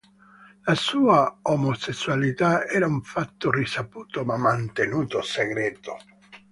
La sua omosessualità era un fatto risaputo, ma mantenuto segreto.